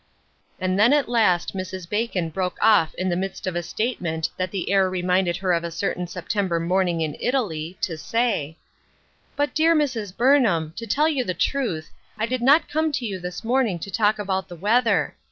And then at last Mrs. Bacon broke off in the midst of a statement that the air reminded her of a certain September morning in Italy, to say :—" But, dear Mrs. Burnham, to tell you the truth, I did not come to you this morning to talk about the weather.